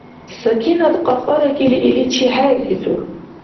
Сакинат, кьакьаракӀили, иличи хӀерризур.